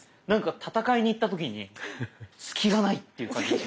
なんか戦いに行った時に隙がないっていう感じ。